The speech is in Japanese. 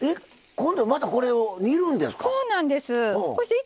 またこれを煮るんですか？